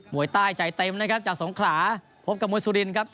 วยใต้ใจเต็มนะครับจากสงขลาพบกับมวยสุรินครับ